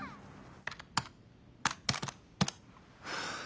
はあ。